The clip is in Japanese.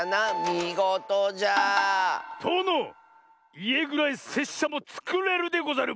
みごとじゃ！とのいえぐらいせっしゃもつくれるでござる！